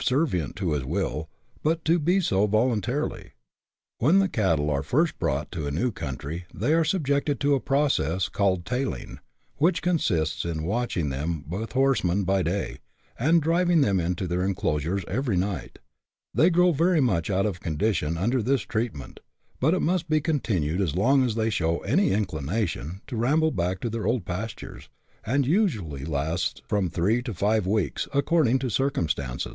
servient to his will, but to be so voluntarily. "When cattle are first brought to a new country they are subjected to a process called " tailing," which consists in watching them with horsemen by day, and driving them into their enclo sures every night : they grow very much out of condition under this treatment, but it must be continued as long as they show any inclination to ramble back to their old pastures, and usually lasts from three to five weeks, according to circumstances.